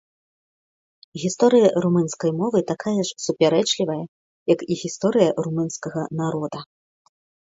Гісторыя румынскай мовы такая ж супярэчлівая, як і гісторыя румынскага народа.